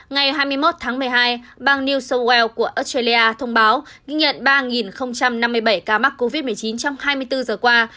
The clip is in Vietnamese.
ngày hai mươi một tháng một mươi hai bang new south wales của australia thông báo ghi nhận ba năm mươi bảy ca mắc covid một mươi chín trong hai mươi bốn giờ qua